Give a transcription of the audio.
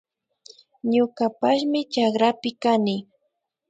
Ñukapashmi chakrapi kani